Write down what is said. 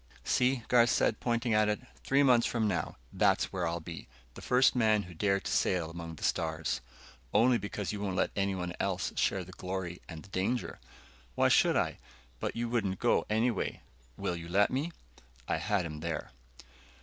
"See," Garth said, pointing at it. "Three months from now, that's where I'll be. The first man who dared to sail among the stars." "Only because you don't let anyone else share the glory and the danger." "Why should I? But you wouldn't go, anyway." "Will you let me?" I had him there.